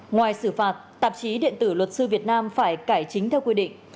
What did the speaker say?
ngoài xử phạt tạp chí điện tử luật sư việt nam phải cải chính theo quy định